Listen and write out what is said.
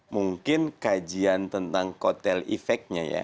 mungkin kajian tentang kotel efeknya ya